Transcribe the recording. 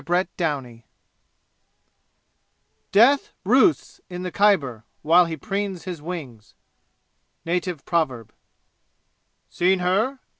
Chapter V Death roosts in the Khyber while he preens his wings! Native Proverb "Seen her?"